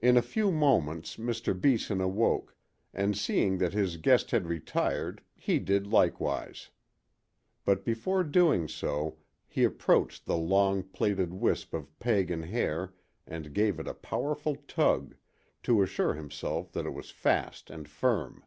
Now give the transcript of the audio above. In a few moments Mr. Beeson awoke, and seeing that his guest had retired he did likewise. But before doing so he approached the long, plaited wisp of pagan hair and gave it a powerful tug, to assure himself that it was fast and firm.